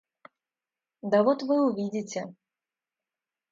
Да вот вы увидите.